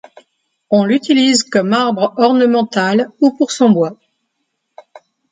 On l'utilise comme arbre ornemental ou pour son bois.